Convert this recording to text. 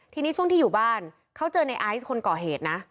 ทีนี้ช่วงที่อยู่บ้านเขาเจอในไอซ์คนก่อเหตุนะ